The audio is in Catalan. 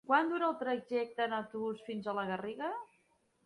Quant dura el trajecte en autobús fins a la Garriga?